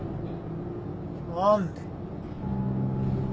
何で？